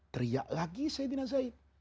teriak lagi saidina zaid